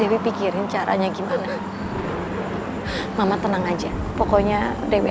dewi pikirin caranya gimana mama tenang aja pokoknya dewi